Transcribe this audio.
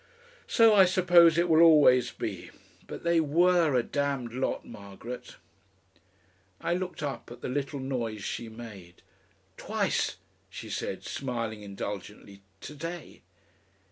So, I suppose, it will always be.... But they WERE a damned lot, Margaret!" I looked up at the little noise she made. "TWICE!" she said, smiling indulgently, "to day!"